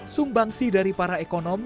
sumbangsi dari para ekonomi